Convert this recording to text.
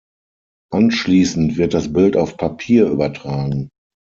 Anschließend wird das Bild auf Papier übertragen.